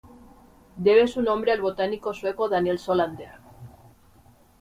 Debe su nombre al botánico sueco Daniel Solander.